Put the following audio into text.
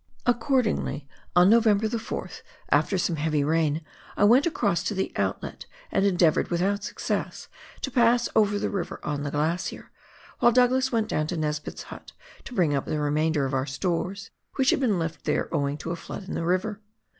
Accordingly, on November the 4th, after some heavy rain, I went across to the outlet and endeavoured, without success, to pass over the river on the glacier, while Douglas went down to Nesbitt's hut to bring up the remainder of our stores, which had been left there owing to a flood in the river.